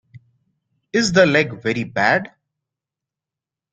Is the leg very bad?